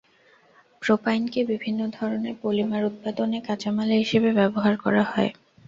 প্রোপাইনকে বিভিন্ন ধরনের পলিমার উৎপাদনে কাঁচামাল হিসেবে ব্যবহার করা হয়।